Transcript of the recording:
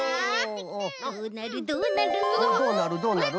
どうなるどうなる？